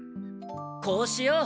こうしよう！